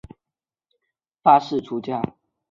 阮氏游晚年的时候在嘉林县梅发寺出家。